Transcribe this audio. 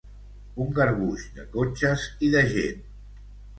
Un garbuix de cotxes i de gent.